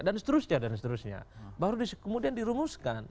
dan seterusnya baru kemudian dirumuskan